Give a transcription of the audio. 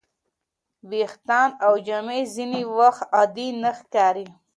ویښتان او جامې ځینې وخت عادي نه ښکاري.